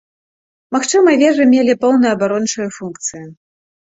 Магчыма, вежы мелі пэўныя абарончыя функцыі.